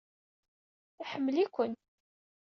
Iḥemmel-iken!